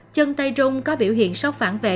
chân tay rung có biểu hiện sóc phản vệ